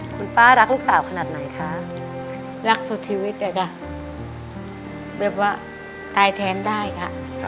คุณป้ารักลูกสาวขนาดไหนคะรักสุดชีวิตเลยค่ะแบบว่าตายแทนได้ค่ะ